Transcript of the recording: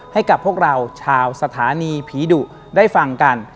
ให้กับพวกเราชาวสถานีผีดุได้ฟังกัน